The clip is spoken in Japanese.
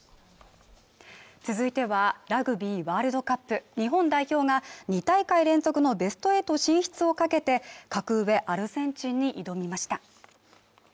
続いてはラグビーワールドカップ日本代表が２大会連続のベスト８進出をかけて格上アルゼンチンに挑みました